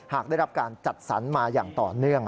หากได้รับการจัดสรรมาอย่างต่อเนื่อง